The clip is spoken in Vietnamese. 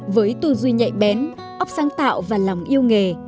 với tư duy nhạy bén óc sáng tạo và lòng yêu nghề